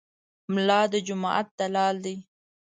ملا د جومات دلال دی.